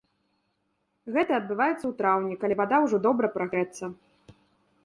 Гэта адбываецца ў траўні, калі вада ўжо добра прагрэцца.